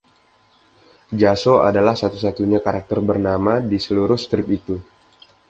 Jasso adalah satu-satunya karakter bernama di seluruh strip itu.